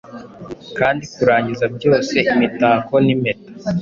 Kandi kurangiza byose imitako nimpeta